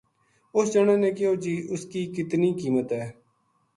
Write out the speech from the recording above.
اُس جنا نے کہیو جی اِس کی کتنی قیمت ہے